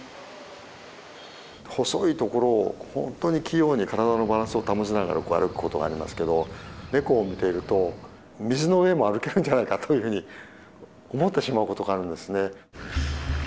細い所を本当に器用に体のバランスを保ちながら歩くことがありますけどネコを見ていると水の上も歩けるんじゃないかというふうに思ってしまうことがあるんですね。